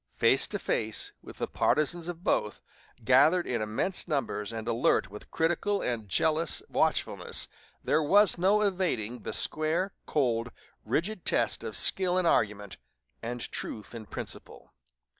Face to face with the partizans of both, gathered in immense numbers and alert with critical and jealous watchfulness, there was no evading the square, cold, rigid test of skill in argument and truth in principle.